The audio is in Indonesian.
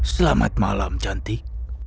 selamat malam cantik